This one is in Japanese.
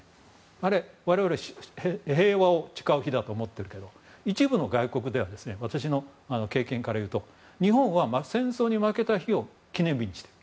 あれを我々は平和を誓う日だと思ってるけど一部の外国では私の経験からいうと日本は戦争に負けた日を記念日にしている。